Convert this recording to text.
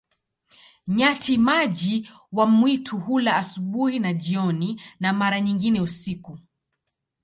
Nyati-maji wa mwitu hula asubuhi na jioni, na mara nyingine usiku.